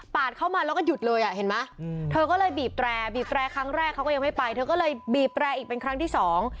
เข้ามาแล้วก็หยุดเลยอ่ะเห็นไหมอืมเธอก็เลยบีบแตรบีบแร่ครั้งแรกเขาก็ยังไม่ไปเธอก็เลยบีบแร่อีกเป็นครั้งที่สอง